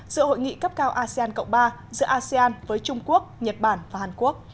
giữa hội nghị cấp cao asean cộng ba giữa asean với trung quốc nhật bản và hàn quốc